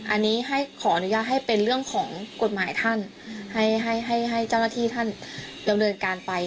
อันนี้ให้ขออนุญาตให้เป็นเรื่องของกฎหมายท่านให้ให้เจ้าหน้าที่ท่านดำเนินการไป